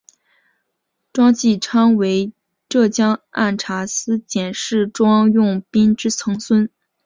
庄际昌为浙江按察司佥事庄用宾之曾孙。